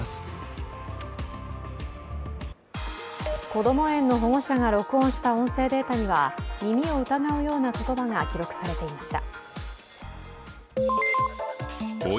こども園の保護者が録音した音声データには耳を疑うような言葉が記録されていました。